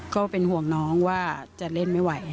ก็เป็นห่วงน้องว่าจะเล่นไม่ไหว